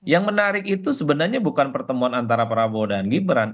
yang menarik itu sebenarnya bukan pertemuan antara prabowo dan gibran